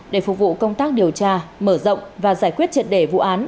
để phục vụ công tác điều tra mở rộng và giải quyết triệt đề vụ án